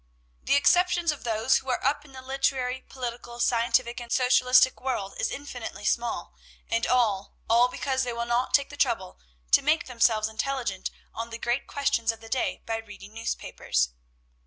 "The exceptions of those who are up in the literary, political, scientific, and socialistic world is infinitely small, and all all because they will not take the trouble to make themselves intelligent on the great questions of the day, by reading newspapers."